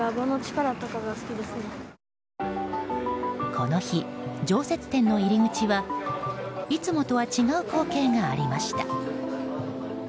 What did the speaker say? この日、常設展の入り口はいつもとは違う光景がありました。